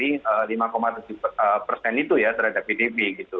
tidak melebar dari lima satu persen itu ya terhadap pdb gitu